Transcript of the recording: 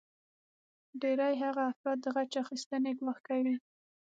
ډیری هغه افراد د غچ اخیستنې ګواښ کوي